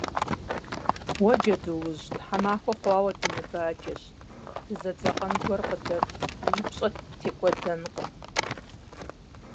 - Уа, джэдуужь, тхьэмахуэ хъуауэ дыныбаджэщ, дызэдзэкъэн гуэр къыдэт, уи пщӏэ ттекӏуэдэнкъым.